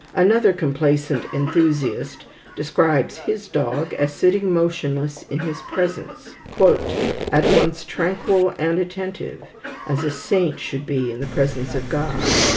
Another complacent enthusiast describes his dog as sitting motionless in his presence, "at once tranquil and attentive, as a saint should be in the presence of God.